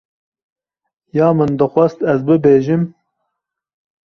Ya min dixwast ez bibêjim.